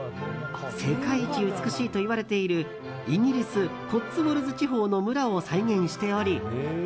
世界一美しいといわれているイギリス・コッツウォルズ地方の村を再現しており